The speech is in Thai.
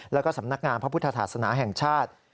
แล้วก็สำนักงานพระพุทธศาสนาแห่งชาติ